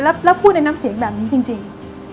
แล้วพูดในน้ำเสียงแบบนี้จริง